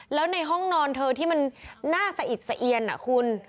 แล้วในห้องนอนเธอที่มันน่าสะอิดสะเอียนคุณ